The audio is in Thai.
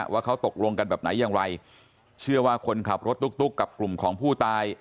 ว่าเขาตกลงกันแบบไหนอย่างไรเชื่อว่าคนขับรถตุ๊กกับกลุ่มของผู้ตาย